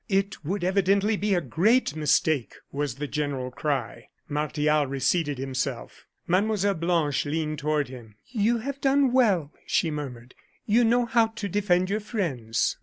"It would evidently be a great mistake!" was the general cry. Martial reseated himself; Mlle. Blanche leaned toward him. "You have done well," she murmured; "you know how to defend your friends."